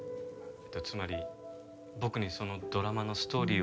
つまり僕にそのドラマのストーリーを考えろと？